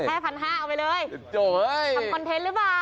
ทำคอนเทนต์หรือเปล่า